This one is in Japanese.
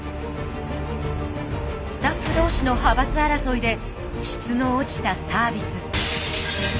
スタッフ同士の派閥争いで質の落ちたサービス。